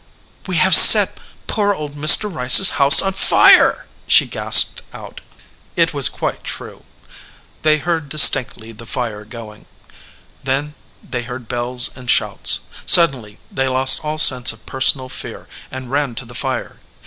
"We have set poor old Mr. Rice s house on fire !" she gasped out. It was quite true. They heard distinctly the fire gong. Then they heard bells and shouts. Sud denly they lost all sense of personal fear and ran to the fire.